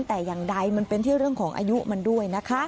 แต่อย่างใดมันเป็นที่เรื่องของอายุมันด้วยนะคะ